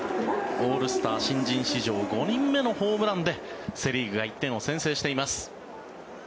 オールスター新人史上５人目のホームランでセ・リーグが１点を先制しています。